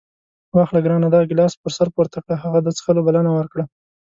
واخله ګرانه دغه ګیلاس پر سر پورته کړه. هغه د څښلو بلنه ورکړه.